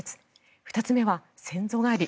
２つ目は先祖返り。